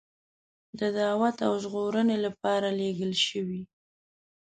د دعوت او ژغورنې لپاره لېږل شوی.